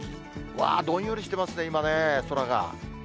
わー、どんよりしてますね、今、空が。